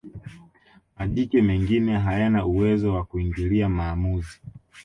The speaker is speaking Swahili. majike mengine hayana uwezo wa kuingilia maamuzi